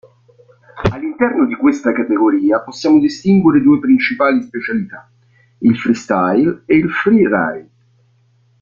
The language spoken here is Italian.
All'interno di questa categoria possiamo distinguere due principali specialità: il "freestyle" e il "freeride".